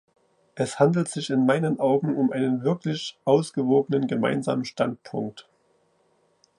Es handelt sich in meinen Augen um einen wirklich ausgewogenen Gemeinsamen Standpunkt.